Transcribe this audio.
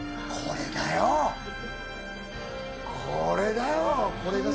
これだよ！